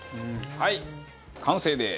はい完成です！